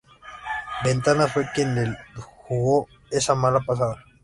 ventanas fue quien le jugó esa mala pasada